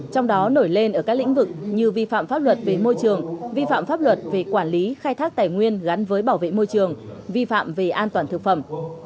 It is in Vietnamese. trong đó nổi lên ở các lĩnh vực như vi phạm pháp luật về môi trường vi phạm pháp luật về quản lý khai thác tài nguyên gắn với bảo vệ môi trường vi phạm về an toàn thực phẩm